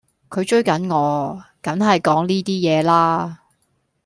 佢追緊我,緊係講呢啲嘢啦